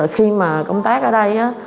khi mà công tác ở đây